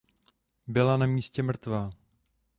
Byla na místě mrtvá.